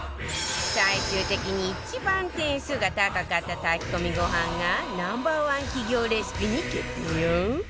最終的に一番点数が高かった炊き込みご飯が Ｎｏ．１ 企業レシピに決定よ